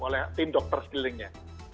oleh tim dokter sekelilingnya